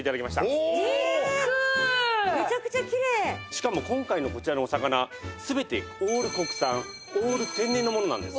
しかも今回のこちらのお魚全てオール国産オール天然のものなんです。